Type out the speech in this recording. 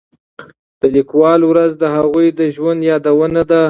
د لیکوالو ورځ د هغوی د ژوند یادونه ده.